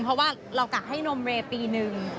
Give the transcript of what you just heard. เพราะว่าเรากะให้นมเวย์ปีนึง